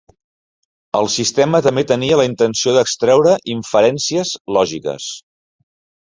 El sistema també tenia la intenció d'extreure inferències lògiques.